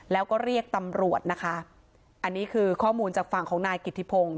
แล้วก็เรียกตำรวจนะคะอันนี้คือข้อมูลจากฝั่งของนายกิติพงศ